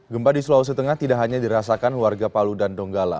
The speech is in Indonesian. gempa di sulawesi tengah tidak hanya dirasakan warga palu dan donggala